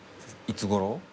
いつごろ？